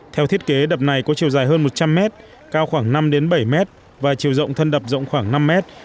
theo thiết kế đập này có chiều dài hơn một trăm linh mét cao khoảng năm bảy mét và chiều rộng thân đập rộng khoảng năm mét